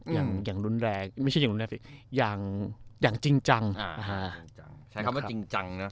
อย่างอย่างรุนแรงไม่ใช่อย่างรุนแรงสิอย่างอย่างจริงจังอ่าจังใช้คำว่าจริงจังนะ